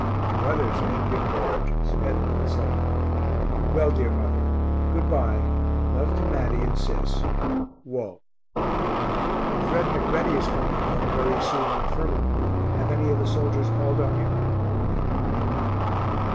To others I have given oranges, fed them, etc. Well, dear mother, good bye love to Matty and Sis. WALT. Fred McReady is coming home very soon on furlough have any of the soldiers called on you?